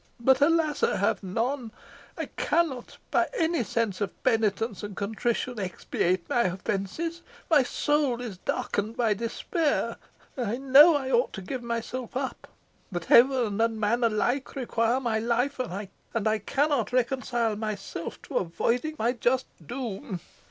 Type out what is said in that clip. But, alas! I have none. I cannot, by any act of penitence and contrition, expiate my offences. My soul is darkened by despair. I know I ought to give myself up that Heaven and man alike require my life, and I cannot reconcile myself to avoiding my just doom."